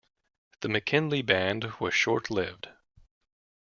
The McKinley band was short-lived.